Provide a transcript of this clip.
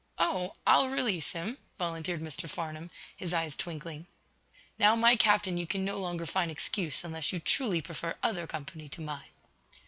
"Oh, I'll release, him," volunteered Mr. Farnum, his eyes twinkling. "Now, my Captain, you can no longer find excuse, unless you truly prefer other company to mine."